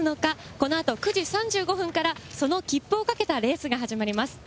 このあと９時３５分から、その切符を懸けたレースが始まります。